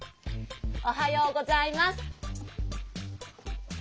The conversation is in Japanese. おはようございます。